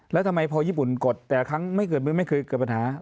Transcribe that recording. แล้วทำไมพอญี่ปุ่นกดแต่ครั้งไม่เคยเกิดปัญหา